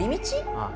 ああ。